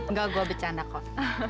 enggak gue bercanda kok